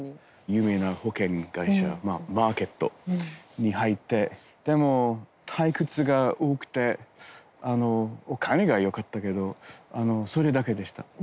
有名な保険会社マーケットに入ってでも退屈が多くてお金がよかったけどそれだけでした。